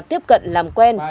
tiếp cận làm quen